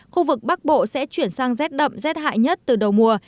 khu vực bắc bộ sẽ chuyển sang rét đậm rét hại nhất từ đầu mùa